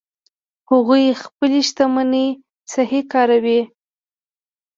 هغوی خپلې شتمنۍ صحیح کاروي